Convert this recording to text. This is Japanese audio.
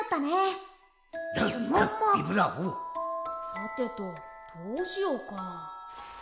さてとどうしようか。